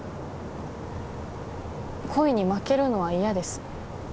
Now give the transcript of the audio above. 恋に負けるのは嫌です